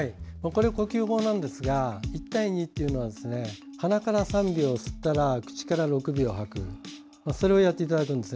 呼吸法なんですが１：２というのは鼻から３秒吸ったら口から６秒吐くそれをやっていただきます。